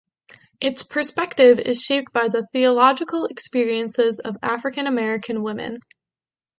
Its perspective is shaped by the theological experiences of African-American women.